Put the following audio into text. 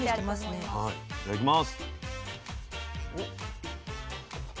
いただきます。